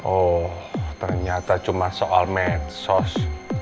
oh ternyata cuma soal medsos